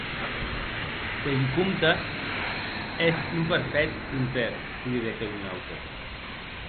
Le vicomte est un parfait conteur, li didec a un aute.